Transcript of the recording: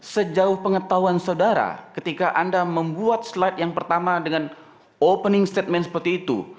sejauh pengetahuan saudara ketika anda membuat slide yang pertama dengan opening statement seperti itu